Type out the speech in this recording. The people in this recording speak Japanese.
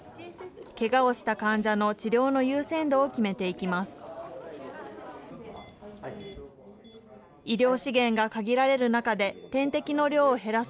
けがをした患者の治療の優先度を決めていきます。